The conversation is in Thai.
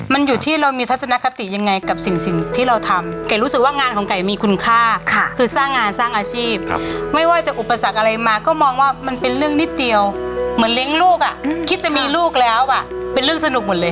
มันอยู่ที่เรามีทัศนคติยังไงกับสิ่งที่เราทำไก่รู้สึกว่างานของไก่มีคุณค่าคือสร้างงานสร้างอาชีพไม่ว่าจะอุปสรรคอะไรมาก็มองว่ามันเป็นเรื่องนิดเดียวเหมือนเลี้ยงลูกอ่ะคิดจะมีลูกแล้วอ่ะเป็นเรื่องสนุกหมดเลย